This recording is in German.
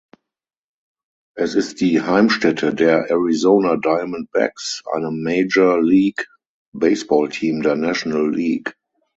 Es ist die Heimstätte der Arizona Diamondbacks, einem Major-League-Baseballteam der National League.